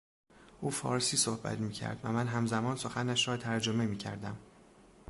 او فارسی صحبت میکرد و من همزمان سخنش را ترجمه میکردم.